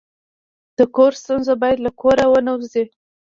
د کور ستونزه باید له کوره ونه وځي.